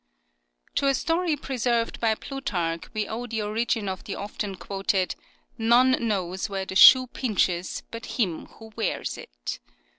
To a story preserved by Plutarch we owe the origin of the often quoted "None knows where the shoe pinches but him who wears it."